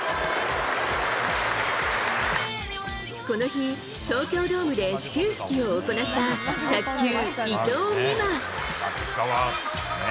この日、東京ドームで始球式を行った卓球・伊藤美誠。